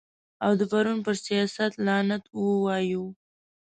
او د پرون پر سیاست لعنت ووایو.